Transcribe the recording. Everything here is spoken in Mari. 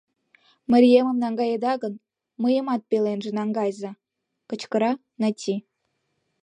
Мариемым наҥгаеда гын, мыйымат пеленже наҥгайыза! — кычкыра Нати.